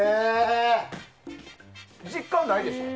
実感ないでしょ？